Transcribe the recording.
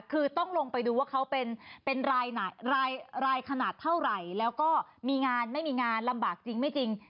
คือต้องลงไปดูว่าเขาเป็นรายขนาดเท่าไหร่แล้วก็มีงานไม่มีงานลำบากจริงไม่จริง